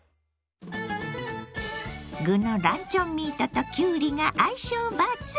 具のランチョンミートときゅうりが相性抜群！